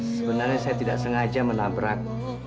sebenarnya saya tidak sengaja menabrak